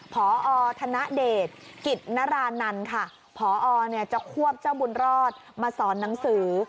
พอธนเดชกิจนรานันค่ะพอจะควบเจ้าบุญรอดมาสอนหนังสือ